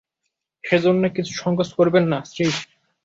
সেজন্যে কিছু সংকোচ করবেন না– শ্রীশ।